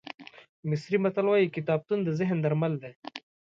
مصري متل وایي کتابتون د ذهن درمل دی.